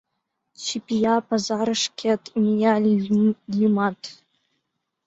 Чипия пазарышкет мияльымат -